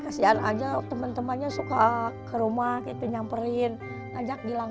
kasihan aja teman temannya suka ke rumah gitu nyamperin ajak bilang